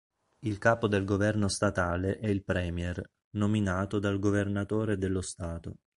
Il capo del governo statale è il Premier, nominato dal governatore dello Stato.